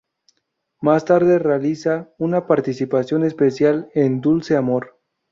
Más tarde realiza una participación especial en "Dulce Amor".